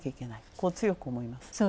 こう強く思います。